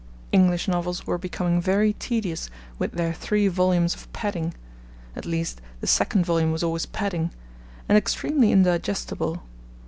English novels were becoming very tedious with their three volumes of padding at least, the second volume was always padding and extremely indigestible.